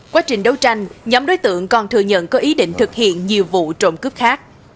quá trình đấu tranh nhóm đối tượng còn thừa nhận có ý định thực hiện nhiều vụ trộm cướp khác